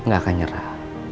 gak akan nyerah